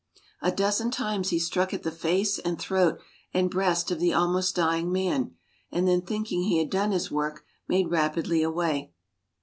A dozen times he struck at the face and throat and breast of the almost dying man, and then thinking he had done his work made rapidly away.